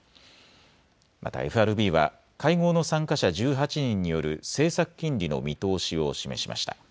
またＦＲＢは会合の参加者１８人による政策金利の見通しを示しました。